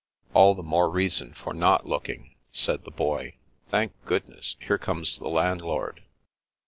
" All the more reason for not looking," said the Boy. " Thank goodness, here comes the landlord."